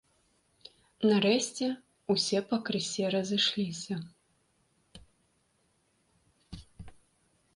Нарэшце, усе пакрысе разышліся.